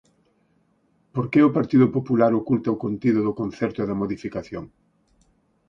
¿Por que o Partido Popular oculta o contido do concerto e da modificación?